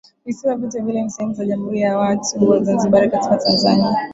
Visiwa vyote viwili ni sehemu za Jamhuri ya watu wa Zanzibar katika Tanzania